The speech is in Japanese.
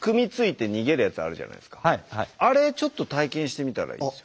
あれちょっと体験してみたらいいですよ。